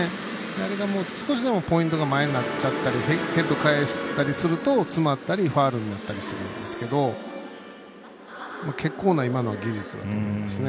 あれが、少しでもポイントが前になっちゃったりヘッド返してたりすると詰まったりファウルになったりするんですけど結構な今の技術だと思いますね。